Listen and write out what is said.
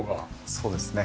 そうですね。